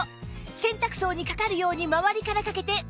洗濯槽にかかるように周りからかけて運転開始